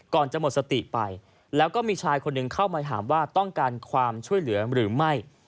ก่อนจะหมดสติไปแล้วก็มีชายคนหนึ่งเข้ามาถามว่าต้องการความช่วยเหลือหรือไม่